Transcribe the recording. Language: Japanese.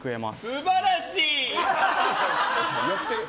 素晴らしい！